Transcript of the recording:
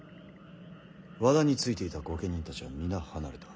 和田についていた御家人たちは皆離れた。